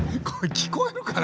聞こえるかな？